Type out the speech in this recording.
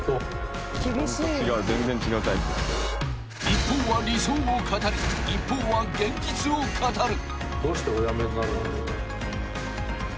［一方は理想を語り一方は現実を語る］